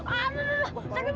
aduh aduh aduh